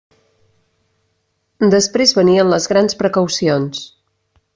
Després venien les grans precaucions.